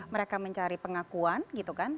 mereka mencari pengakuan gitu kan